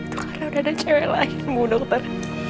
itu karena ada cewek lain bu dokter